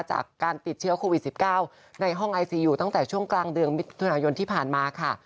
จากการติดเชื้อโควิด๑๙ในห้องไอซียูตั้งแต่ช่วงกลางเดือนมิถุนายนที่ผ่านมาค่ะ